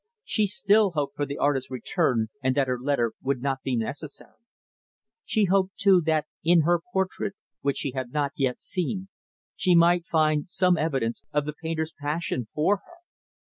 She still hoped for the artist's return and that her letter would not be necessary. She hoped, too, that in her portrait, which she had not yet seen, she might find some evidence of the painter's passion for her.